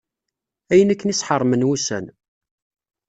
Ayen akken i s-ḥeṛmen wussan.